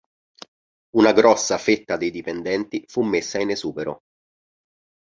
Una grossa fetta dei dipendenti fu messa in esubero.